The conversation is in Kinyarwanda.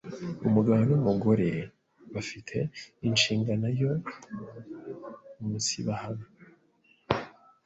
umugabo n’umugore ba fi te inshingano yo umunsibahana,